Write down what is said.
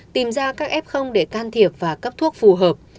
tìm ra các ép không để can thiệp và cấp thuốc phù hợp